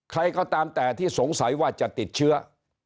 ใครก็ตามแต่ที่สงสัยว่าจะติดเชื้อ